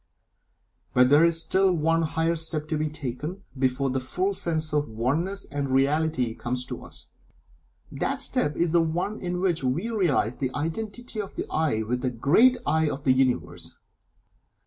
But there is still one higher step to be taken before the full sense of the Oneness and Reality comes to us. That step is the one in which we realize the Identity of the "I" with the great "I" of the Universe.